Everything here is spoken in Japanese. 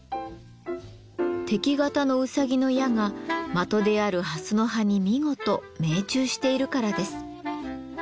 敵方のうさぎの矢が的である蓮の葉に見事命中しているからです。